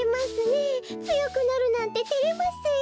つよくなるなんててれますよ。